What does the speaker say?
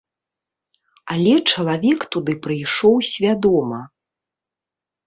Але чалавек туды прыйшоў свядома.